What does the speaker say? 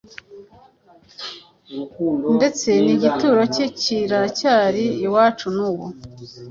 ndetse n’igituro cye kiracyari iwacu n’ubu.